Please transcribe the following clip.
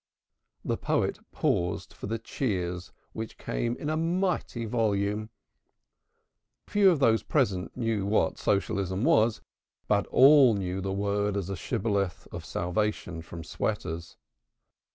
The poet paused for the cheers which came in a mighty volume. Few of those present knew what Socialism was, but all knew the word as a shibboleth of salvation from sweaters.